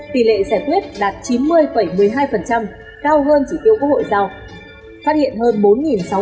tỷ lệ sẻ tuyết đạt chín mươi một mươi hai cao hơn chỉ tiêu quốc hội giao